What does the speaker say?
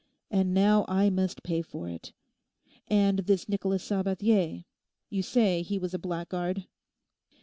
And now I must pay for it. And this Nicholas Sabathier; you say he was a blackguard?